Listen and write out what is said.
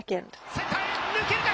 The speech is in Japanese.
センターへ、抜けるか？